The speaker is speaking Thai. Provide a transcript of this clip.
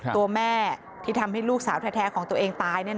ตัวแม่ที่ทำให้ลูกสาวแท้ของตัวเองตาย